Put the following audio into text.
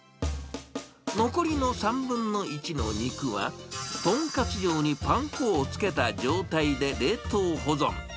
残りの３分の１の肉は、豚カツ用にパン粉をつけた状態で冷凍保存。